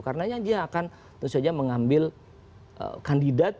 karena dia akan tentu saja mengambil kandidat